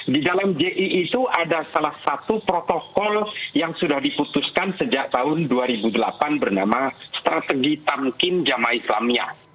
di dalam ji itu ada salah satu protokol yang sudah diputuskan sejak tahun dua ribu delapan bernama strategi tamkin jamaah islamia